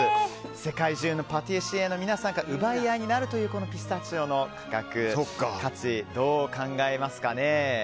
世界中のパティシエの皆さんが奪い合いになるというこのピスタチオの価格、価値どう考えますかね。